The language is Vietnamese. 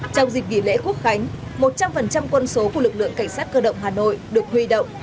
trong dịp nghỉ lễ quốc khánh một trăm linh quân số của lực lượng cảnh sát cơ động hà nội được huy động